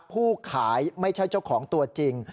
ผู้ขายไม่ใช่เจ้าของตัวจริง